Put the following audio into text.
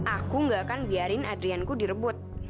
aku nggak akan biarkan adrianku direbut